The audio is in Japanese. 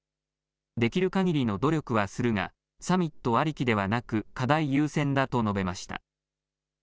できるかぎりの努力はするが、サミットありきではなく、課題優先だと述べました。